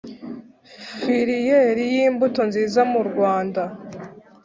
filiyeri y imbuto nziza mu rwanda